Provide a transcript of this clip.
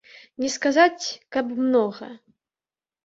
Не сказаць, каб многа.